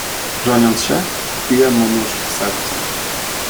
"Broniąc się, wbiłem mu nóż w serce."